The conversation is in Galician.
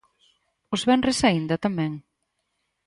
Os venres aínda tamén?